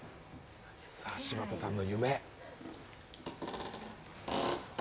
さあ、柴田さんの夢。